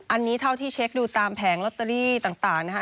อันนี้เท่าที่เช็คดูตามแผงลอตเตอรี่ต่างนะคะ